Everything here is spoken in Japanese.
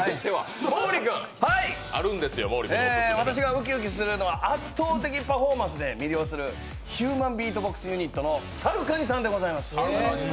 私がウキウキするのは圧倒的パフォーマンスで魅了するヒューマンビートボックスユニットのＳＡＲＵＫＡＮＩさんでございます。